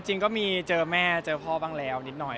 จริงก็มีเจอแม่เจอพ่อบ้างแล้วนิดหน่อย